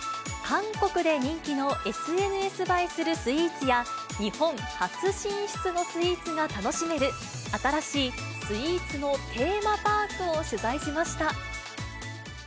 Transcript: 韓国で人気のＳＮＳ映えするスイーツや、日本初進出のスイーツが楽しめる、新しいスイーツのテーマパークを取材しました。